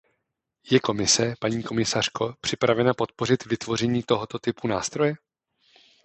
Je Komise, paní komisařko, připravena podpořit vytvoření tohoto typu nástroje?